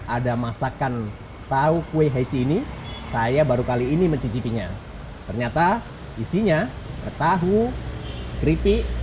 ada masakan tahu kue heci ini saya baru kali ini mencicipinya ternyata isinya tahu keripik